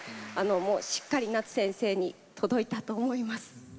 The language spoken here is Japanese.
しっかり夏先生に届いたと思います。